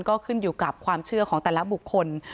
ก็ขึ้นอยู่กับความเชื่อของแต่ละบุคคล